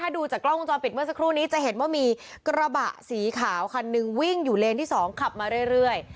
ดูจากกล้องวงจรปิดเมื่อสักครู่นี้จะเห็นว่ามีกระบะสีขาวคันหนึ่งวิ่งอยู่เลนที่๒ขับมาเรื่อย